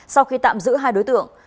sau khi tạm giữ hai đối tượng